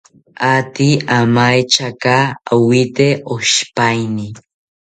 Aate amaetyaka owite oshipaeni